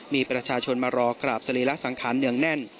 มีประชาชนมารอกราบสรีระสังขารเนืองแน่น